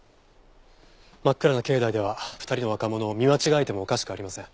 真っ暗な境内では２人の若者を見間違えてもおかしくありません。